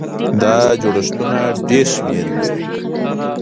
دا جوړښتونه ډېر شمېر لري.